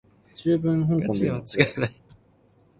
你考咁低分，大学门钉都摸唔到